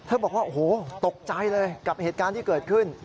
บอกว่าโอ้โหตกใจเลยกับเหตุการณ์ที่เกิดขึ้น